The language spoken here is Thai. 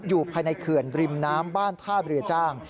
อยู่ภายในเขื่อนริมน้ำบ้านท่าเรือจ้าง